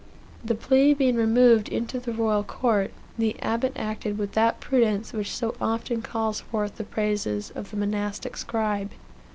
The plea being removed into the Royal Court, the abbot acted with that prudence which so often calls forth the praises of the monastic scribe.